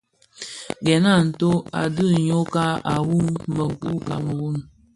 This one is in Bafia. Gèn a nto u dhid nwokag, asuu mun Kameroun,